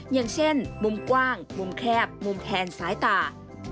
อย่างเช่นมุมกว้างมุมแคบมุมแคนสายตา